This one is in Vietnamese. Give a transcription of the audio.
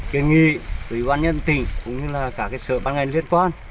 kiên nghị với quan nhân tỉnh cũng như là cả cái sở ban ngành liên quan